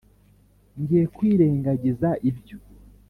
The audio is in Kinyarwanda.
ngiye kwirengagiza ibyo